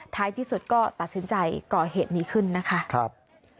ท้ายที่สุดก็ตัดสินใจก่อเหตุนี้ขึ้นนะคะ